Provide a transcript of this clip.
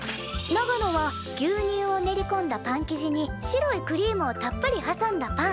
長野は牛乳を練りこんだパン生地に白いクリームをたっぷりはさんだパン。